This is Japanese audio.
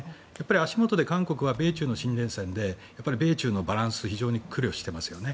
足元で韓国は米中の最前線で米中のバランスに非常に苦慮していますよね。